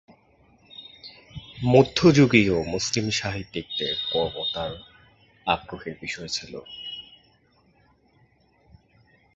মধ্যযুগীয় মুসলিম সাহিত্যিকদের কর্ম তাঁর আগ্রহের বিষয় ছিল।